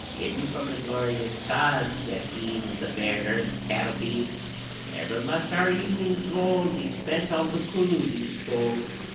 Hidden from the glorious sun, That teems the fair earth's canopie: Ever must our evenings lone Be spent on the colludie stone.